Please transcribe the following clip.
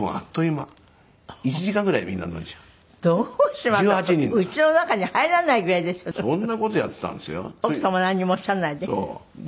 奥様なんにもおっしゃらないで？